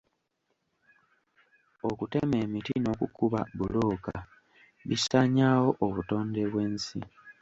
Okutema emiti n'okukuba bbulooka bisaanyaawo obutonde bw'ensi.